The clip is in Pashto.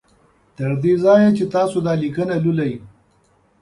تر دې ځایه چې تاسو دا لیکنه لولی